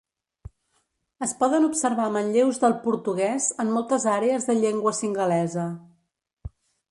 Es poden observar manlleus del portuguès en moltes àrees de llengua singalesa.